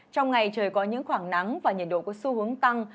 trong ngày trời có những khoảng nắng và nhiệt độ có xu hướng tăng